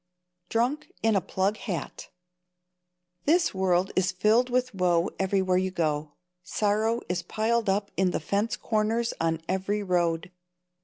Drunk in a Plug Hat. This world is filled with woe everywhere you go. Sorrow is piled up in the fence corners on every road.